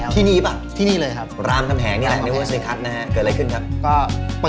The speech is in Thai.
ที่นี่ป่ะรามคำแหงนี่แหละนิเวอร์ซีคัทนะฮะเกิดอะไรขึ้นครับ